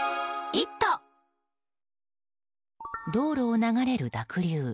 道路を流れる濁流。